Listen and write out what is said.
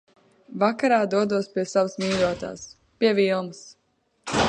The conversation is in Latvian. Vakarā dodos pie savas mīļotās, pie Vilmas.